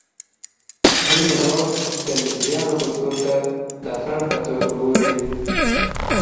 ځینې نور د مصریانو کلتور ته د خنډ په توګه ګوري.